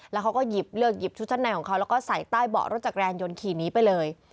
แล้วเขาก็หยิบเลือกหยิบชุดชั้นในของเขาแล้วก็ใส่ใต้เบาะรถจักรยานยนต์ขี่หนีไปเลย